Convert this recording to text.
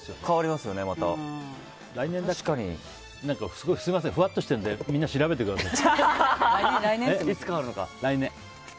すごいふわっとしてるのでみんな調べてください。